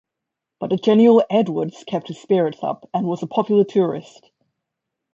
But the genial Edwards kept his spirits up and was a popular tourist.